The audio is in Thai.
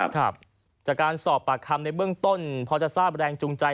ครับจากการสอบปากคำในเบื้องต้นพอจะทราบแรงจูงใจ